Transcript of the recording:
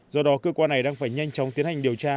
do đó cơ quan này đang phải nhanh chóng tiến hành điều tra